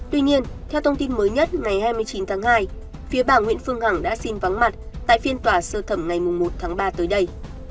tuy nhiên theo thông tin mới nhất ngày hai mươi chín tháng hai phía bà nguyễn phương hằng đã xin vắng mặt tại phiên tòa sơ thẩm ngày một tháng ba tới đây